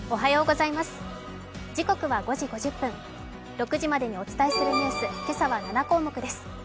６時までにお伝えするニュース、今朝は７項目です。